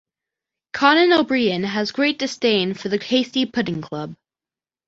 Conan O'Brien has great disdain for the Hasty Pudding Club.